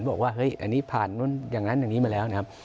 บอกว่าเฮ้ยอันนี้ผ่านนู้นอย่างนั้นอย่างนี้มาแล้วนะครับ